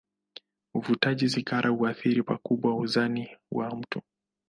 Uvutaji sigara huathiri pakubwa uzani wa mtu.